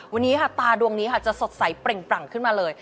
วันนี้ค่ะตาดวงนี้ค่ะจะสดใสเปล่งปรั่งขึ้นมาเลย